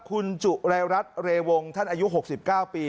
คุณจุรายรัฐเรวงท่านอายุ๖๙ปี